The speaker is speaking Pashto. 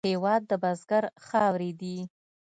هېواد د بزګر خاورې دي.